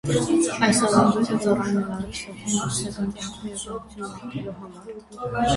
Այս ավանդույթը ծառայում է նորապսակներին ամուսնական կյանքում երջանկություն մաղթելու համար։